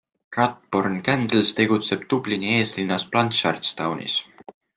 Rathborne Candles tegutseb Dublini eeslinnas Blanchardstownis.